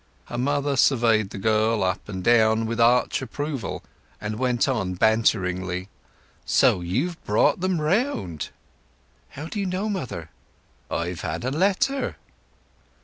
Her mother surveyed the girl up and down with arch approval, and went on banteringly: "So you've brought 'em round!" "How do you know, mother?" "I've had a letter."